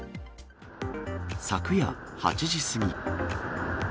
昨夜８時過ぎ。